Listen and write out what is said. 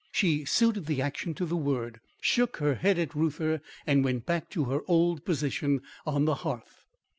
She suited the action to the word; shook her head at Reuther and went back to her old position on the hearth.